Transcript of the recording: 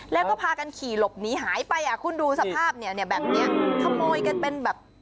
แล้วก็พากันขี่หลบหนีหายไปอ่ะคุณดูสภาพเนี่ยแบบเนี้ยขโมยกันเป็นแบบ